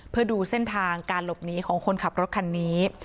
เพื่อดูเส้นทางการหลบหนีของคนขับรถคันนี้